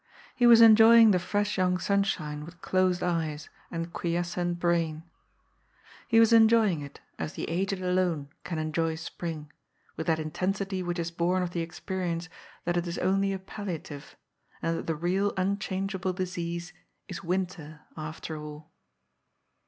He was enjoying the fresh young sunshine with closed eyes and quiescent brain. He was enjoying it, as the aged alone can enjoy spring, with that intensity which is born of the experience that it is only a palliative, and that the real, unchangeable disease is win ter, after all.